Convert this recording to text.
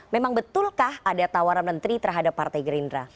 memang betulkah ada tawaran menteri terhadap partai gerindra